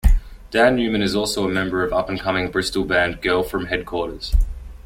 Dan Newman is also a member of up-and-coming Bristol band Girl From Headquarters.